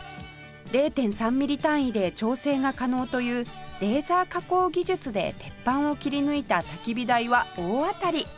０．３ ミリ単位で調整が可能というレーザー加工技術で鉄板を切り抜いた焚き火台は大当たり